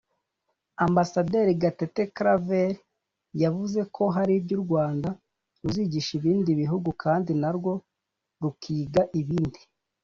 Ambasaderi Gatete Claver yavuze ko hari ibyo u Rwanda ruzigisha ibindi bihugu kandi na rwo rukiga ibindi